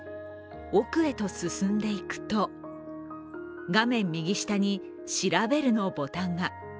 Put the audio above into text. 奥へと進んでいくと画面右下に「しらべる」のボタンが。